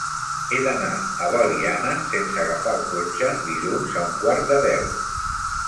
He d'anar a Belianes sense agafar el cotxe dilluns a un quart de deu.